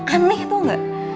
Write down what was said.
aneh tau gak